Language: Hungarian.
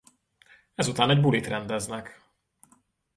Ezután egy bulit rendeznek.